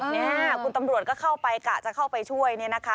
เนี่ยคุณตำรวจก็เข้าไปกะจะเข้าไปช่วยเนี่ยนะคะ